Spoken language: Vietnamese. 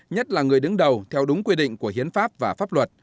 nhất là người đứng đầu theo đúng quy định của hiến pháp và pháp luật